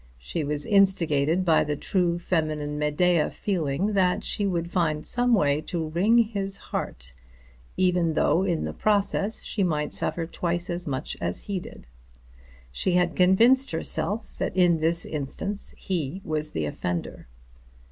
She was instigated by the true feminine Medea feeling that she would find some way to wring his heart, even though in the process she might suffer twice as much as he did. She had convinced herself that in this instance he was the offender.